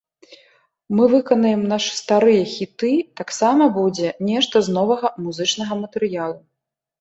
Мы выканаем нашы старыя хіты, таксама будзе нешта з новага музычнага матэрыялу.